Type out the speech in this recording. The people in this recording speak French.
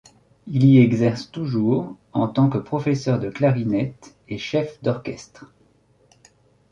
Il y exerce toujours, en tant que professeur de clarinette et chef d'orchestre.